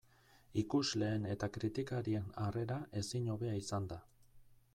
Ikusleen eta kritikarien harrera ezin hobea izan da.